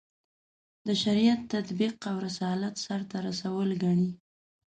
د شریعت تطبیق او رسالت سرته رسول ګڼي.